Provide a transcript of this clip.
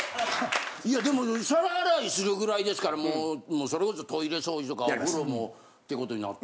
いやでも皿洗いするぐらいですからもうそれこそトイレ掃除とかお風呂もってことになって。